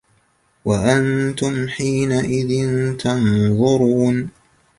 وَأَنتُمْ حِينَئِذٍ تَنظُرُونَ